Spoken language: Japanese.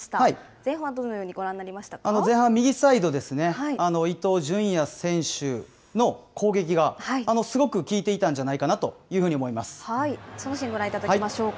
前半はどのようにご覧になりまし前半、右サイドですね、伊東純也選手の攻撃が、すごく効いていたんじゃないかなというふうにそのシーン、ご覧いただきま